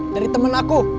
dari temen aku